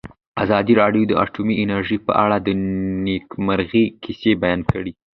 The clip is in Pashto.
ازادي راډیو د اټومي انرژي په اړه د نېکمرغۍ کیسې بیان کړې.